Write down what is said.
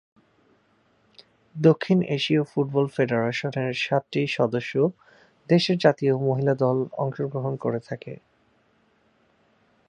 দক্ষিণ এশীয় ফুটবল ফেডারেশনের সাতটি সদস্য দেশের জাতীয় মহিলা দল অংশগ্রহণ করে থাকে।